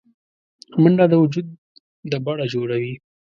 منډه د وجود د بڼه جوړوي